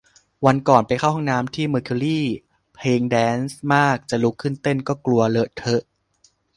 วันก่อนไปเข้าห้องน้ำที่เมอร์คิวรี เพลงแดนซ์มาก จะลุกขึ้นเต้นก็กลัวเลอะเทอะ